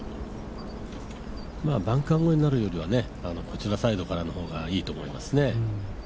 バンカー越えになるよりは、こちらサイドからの方がいいと思いますね。